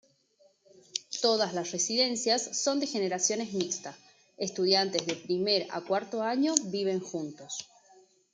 Todas residencias son de generación mixta; estudiantes de primer a cuarto año viven juntos.